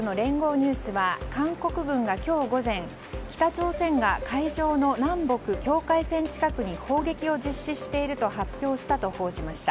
ニュースは韓国軍が今日午前北朝鮮が海上の南北境界線近くに砲撃を実施していると発表したと報じました。